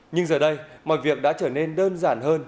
nhưng giờ đây mọi việc đã trở nên đơn giản hơn